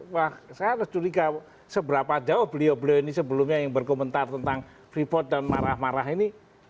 wah saya harus curiga seberapa jauh beliau beliau ini sebelumnya yang berkomentar tentang freeport dan marah marah ini